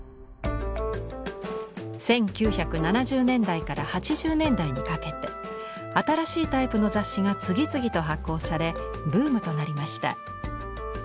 １９７０年代から８０年代にかけて新しいタイプの雑誌が次々と発行されブームとなりました。